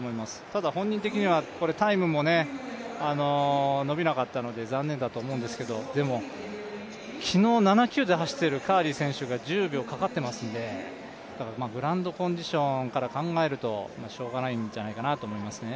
ただ、本人的にはタイムも伸びなかったので残念かと思うんですけどでも昨日、７９で走ってるカーリー選手が１０秒かかっていますので、グランドコンディションから考えるとしょうがないんじゃないかなと思いますね。